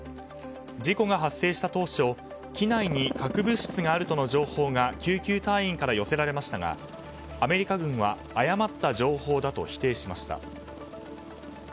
事故が発生した当初機内に核物質があるとの情報が救急隊員から寄せられましたがアメリカ軍は誤った情報だと否定しました。